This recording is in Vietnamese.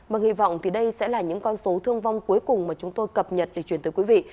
và hy vọng thì đây sẽ là những con số thương vong cuối cùng mà chúng tôi cập nhật để chuyển tới quý vị